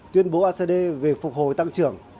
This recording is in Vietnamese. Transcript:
tuyên bố acd về phục hồi tăng trưởng